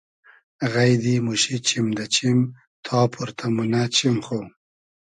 غݷدی موشی چیم دۂ چیم تا پۉرتۂ مونۂ چیم خو